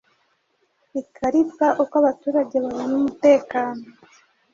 Ikarita Uko abaturage babona umutekano